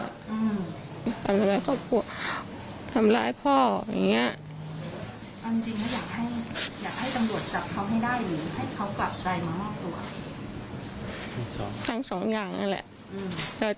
สัง๒อย่างนั้นละแต่เค้าจะคิดถ้าเค้าคิดได้ยังไงอย่างงั้นก็ดีเหมือนกัน